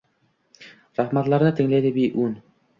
Rahmatlarni tinglaydi beun